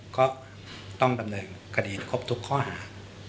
ก็ต้องดำเนินคดีครบทุกข้อหา